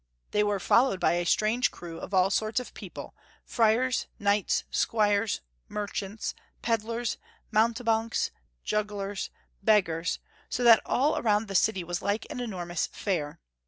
They were followed by a strange crew of all sorts of peo ple, friars, knights, squires, merchants, pedlars, mounte banks, jugglers, beggars, so that dl ai ound the city was fair.